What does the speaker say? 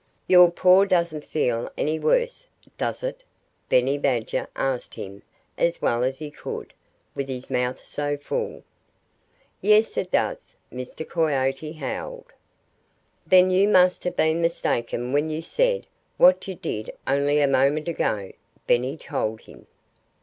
"Your paw doesn't feel any worse, does it?" Benny Badger asked him as well as he could, with his mouth so full. "Yes, it does!" Mr. Coyote howled. "Then you must have been mistaken when you said what you did only a moment ago," Benny told him.